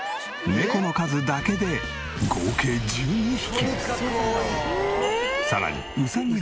猫の数だけで合計１２匹。